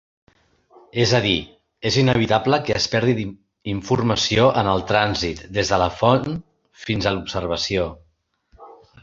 És a dir, és inevitable que es perdi informació en el trànsit des de la font fins a l'observació.